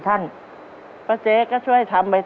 ตัวเลือกที่สองวนทางซ้าย